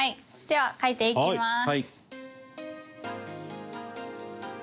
では書いていきます。